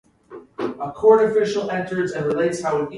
In Vietnam, Chinese names are pronounced with Sino-Vietnamese readings.